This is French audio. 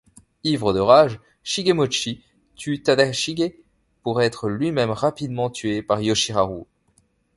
Ivre de rage, Shigemochi tue Tadashige pour être lui-même rapidement tué par Yoshiharu.